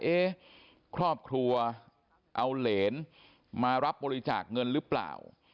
เอ๊ะครอบครัวเอาเหรนมารับบริจาคเงินหรือเปล่า